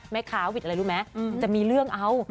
วิทย์อะไรรู้ไหมจะมีเรื่องเอา